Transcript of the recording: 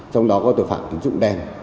trong đó có tội phạm tính dụng đen